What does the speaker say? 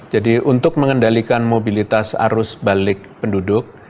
jadi untuk mengendalikan mobilitas arus balik penduduk